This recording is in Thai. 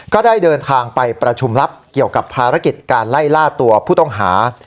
ก็ได้เดินทางไปประชุมลับเกี่ยวกับภารกิจการไล่ล่าตัวผู้ต้องหา